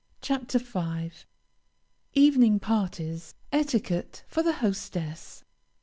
CHAPTER V. EVENING PARTIES. ETIQUETTE FOR THE HOSTESS.